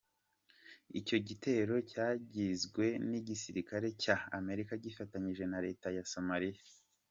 Icyo gitero cyagizwe n’igisirikare cya Amerika gifatanije na Leta ya Somaliya.